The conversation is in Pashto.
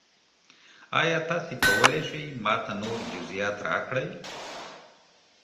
ایا تاسو کولی شئ ما ته نور جزئیات راکړئ؟